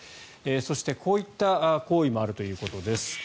そして、こういった行為もあるということです。